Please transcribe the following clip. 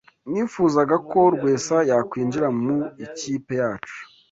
Nifuzaga ko Rwesa yakwinjira mu ikipe yacu.